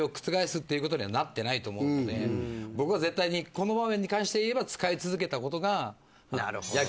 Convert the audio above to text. この場面に関していえば使い続けたことが。